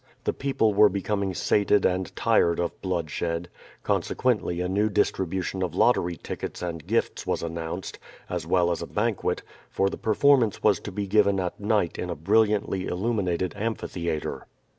The people were be coming sated and tired of bloodshed, consequently a new dis tribution of lottery tickets and gifts was announced, as well r..s a banquet, for the performance was to be given at night in n brilliantly illuminated amphitheatre.